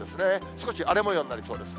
少し荒れもようになりそうです。